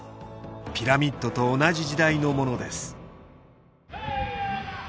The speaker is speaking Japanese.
ピラミッドと同じ時代のものです